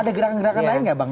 ada gerakan gerakan lain gak bang